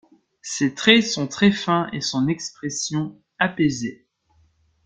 Ses traits sont très fins et son expression apaisée.